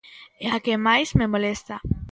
E a que máis me molesta.